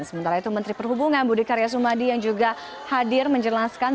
sementara itu menteri perhubungan budi karya sumadi yang juga hadir menjelaskan